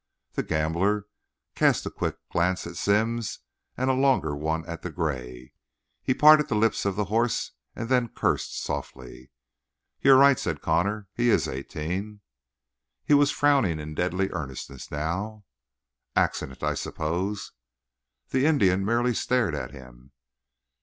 The gambler cast a quick glance at Sims and a longer one at the gray. He parted the lips of the horse, and then cursed softly. "You're right," said Connor. "He is eighteen." He was frowning in deadly earnestness now. "Accident, I suppose?" The Indian merely stared at him.